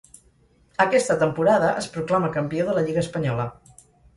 Aquesta temporada es proclama campió de la lliga espanyola.